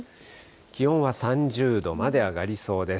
気温は３０度まで上がりそうです。